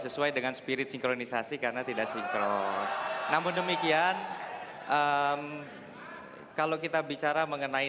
sesuai dengan spirit sinkronisasi karena tidak sinkron namun demikian kalau kita bicara mengenai